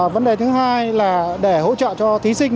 vấn đề thứ hai là để hỗ trợ cho thí sinh